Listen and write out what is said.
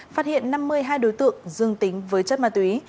phát hiện năm mươi hai đối tượng dương tính với chất ma túy